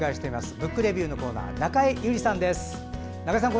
「ブックレビュー」のコーナー中江有里さんです。